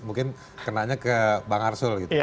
mungkin kenanya ke bang arsul gitu